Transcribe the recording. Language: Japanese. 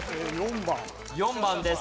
４番です。